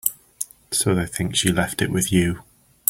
So they think she left it with you.